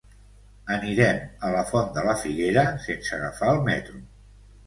Anirem a la Font de la Figuera sense agafar el metro.